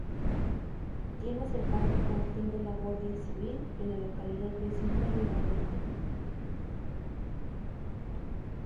Tiene cercano el cuartel de la Guardia Civil en la localidad vecina de Valdemoro.